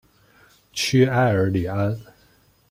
屈埃尔里安。